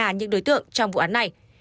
và những đối tượng trong vụ án này